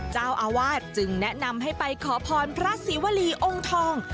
เจ้าอาวาสจึงแนะนำให้ไปขอพรพระศรีวรีองค์ทอง